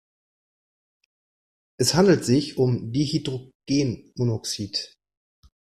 Es handelt sich um Dihydrogenmonoxid.